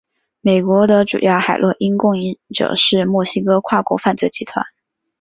美国的主要海洛因供应者是墨西哥跨国犯罪集团。